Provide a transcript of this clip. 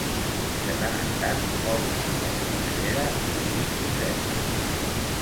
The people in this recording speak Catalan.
De tant en tant obro la cremallera i li dic cosetes.